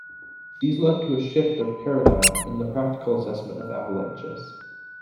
These led to a shift of paradigm in the practical assessment of avalanches.